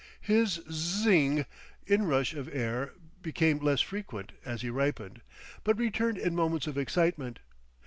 His Zzz ing inrush of air became less frequent as he ripened, but returned in moments of excitement.